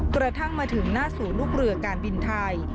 กระทั่งมาถึงหน้าศูนย์ลูกเรือการบินไทย